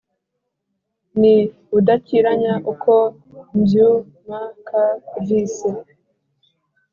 ni budakiranya uko mbyumkvise